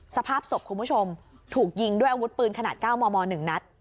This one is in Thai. สภาพศพคุณผู้ชมถูกยิงด้วยอาวุธปืนขนาดเก้ามอมอลหนึ่งนัด